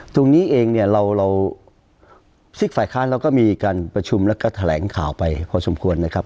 ตรงนี้เองเนี่ยเราซิกฝ่ายค้านเราก็มีการประชุมแล้วก็แถลงข่าวไปพอสมควรนะครับ